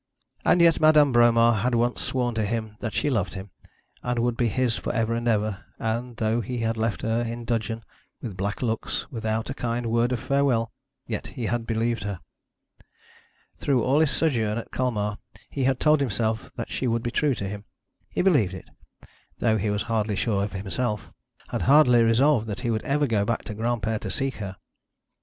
And yet Marie Bromar had once sworn to him that she loved him, and would be his for ever and ever; and, though he had left her in dudgeon, with black looks, without a kind word of farewell, yet he had believed her. Through all his sojourn at Colmar he had told himself that she would be true to him. He believed it, though he was hardly sure of himself had hardly resolved that he would ever go back to Granpere to seek her.